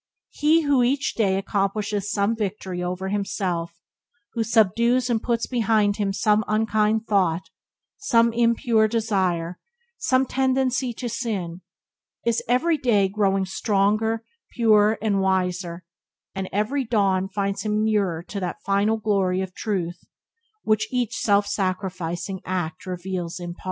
He who each day accomplishes some victory over himself, who subdues and puts behind him some unkind thought, some impure desire, some tendency to sin, is everyday growing stronger, purer, and wiser, and every dawn finds him nearer to that final glory of Truth which each self sacrificing act reveals in part.